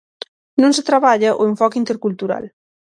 Non se traballa o enfoque intercultural.